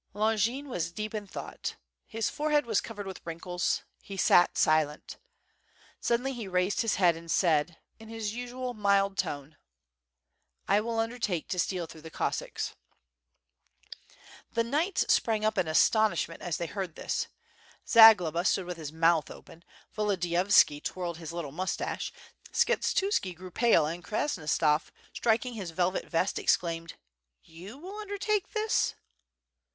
Longin was deep in thought; his forehead was covered with wrinkles; he sat silent. Suddenly he raised his head and said, in his usual mild tone: "I will undertake to steal through the Cossacks.'* The knights sprang up in astonishment as they heard this. Zagloba stood with his mouth open, Volodiyovski twirled his little moustache, Skshetuski grew pale, and Krasnostavsk, striking his velvet vest, exclaimed: "You will undertake this?"